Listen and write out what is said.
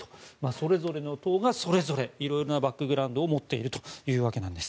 それぞれの党がそれぞれいろいろなバックグラウンドを持っているということです。